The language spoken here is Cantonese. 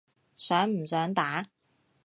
想唔想打？